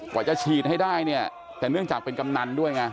จะฉีดให้ได้เนี่ยแต่เนื่องจากเป็นกำนันด้วยไง